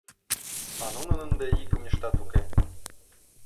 А нунын ынде ик имньыштат уке.